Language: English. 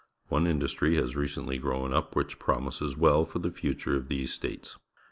One industry has recently grown up^rluch promises well for the future of these states.